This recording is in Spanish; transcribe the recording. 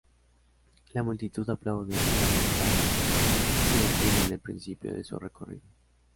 La multitud aplaude, y la montaña se detiene en el principio de su recorrido.